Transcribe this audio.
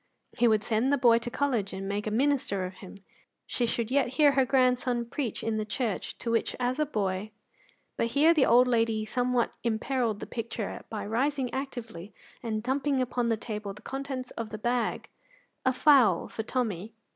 He would send the boy to college and make a minister of him; she should yet hear her grandson preach in the church to which as a boy But here the old lady somewhat imperilled the picture by rising actively and dumping upon the table the contents of the bag a fowl for Tommy.